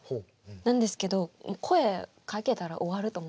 なんですけど声かけたら終わると思って。